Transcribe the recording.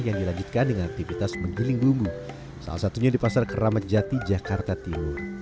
yang dilanjutkan dengan aktivitas menggiling bumbu salah satunya di pasar keramat jati jakarta timur